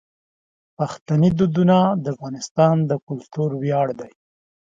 پښتني دودونه د افغانستان د کلتور ویاړ دي.